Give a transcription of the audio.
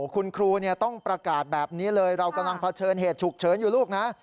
คุณครูต้องประกาศแบบนี้เลยเรากำลังเผชิญเหตุฉุกเฉินอยู่ลูกนะ